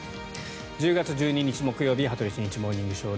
１０月１２日、木曜日「羽鳥慎一モーニングショー」。